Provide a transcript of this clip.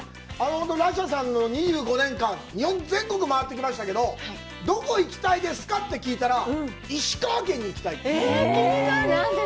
ラッシャーさんの２５年間、日本全国回ってきましたけど、どこへ行きたいですかって聞いたら、石川県に行きたいって。